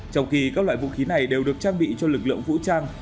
trong khi các loại vũ khí này đều được trang bị cho lực lượng vũ trang